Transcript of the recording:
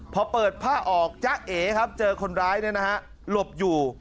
พอเปิดผ้าออกยะเอ๋ครับเจอคนร้ายเนี่ยนะฮะหลบอยู่